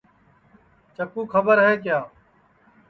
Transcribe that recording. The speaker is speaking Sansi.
چکُُو کھٻر ہے کیا